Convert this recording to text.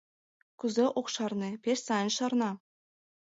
Кузе ок шарне, пеш сайын шарна.